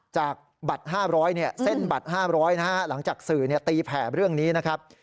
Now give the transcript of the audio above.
จากเซ็นบัตร๕๐๐หลังจากสื่อตีแผ่เรื่องนี้นะครับ